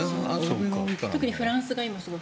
特に今、フランスがすごく。